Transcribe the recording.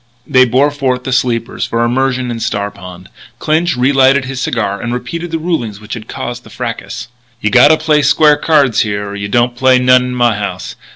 They bore forth the sleepers for immersion in Star Pond. Clinch relighted his cigar and repeated the rulings which had caused the fracas: "You gotta play square cards here or you don't play none in my house.